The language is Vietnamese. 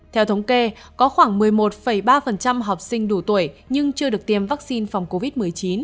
theo thống kê có khoảng một mươi một ba học sinh đủ tuổi nhưng chưa được tiêm vaccine phòng covid một mươi chín